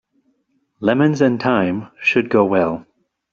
Lemons and thyme should go well.